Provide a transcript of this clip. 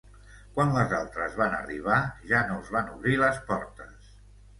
Quan les altres van arribar, ja no els van obrir les portes.